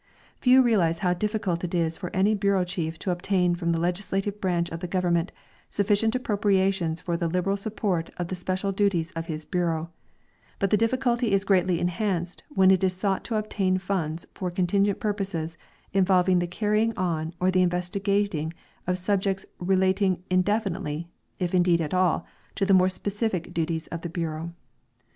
Few realize how difficult it is for an}^ l)ureau chief to obtain from the legislative branch of the government sufficient appropriations for the liberal support of the special duties of his bureau, but the difficulty is greatly enhanced when' it is sought to obtain funds for contingent purposes involving the carrying on or the investi gating of subjects relating indefiniteh^, if indeed at all, to the more specific duties of the bureau.